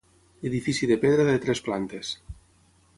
Edifici de pedra de tres plantes.